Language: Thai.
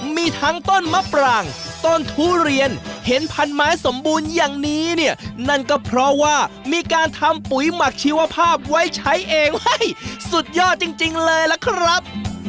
มีทั้งต้นมะปรางต้นทุเรียนเห็นพันไม้สมบูรณ์อย่างนี้เนี่ยนั่นก็เพราะว่ามีการทำปุ๋ยหมักชีวภาพไว้ใช้เองสุดยอดจริงเลยล่ะครับ